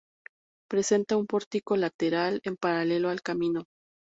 Presenta un pórtico lateral en paralelo al camino.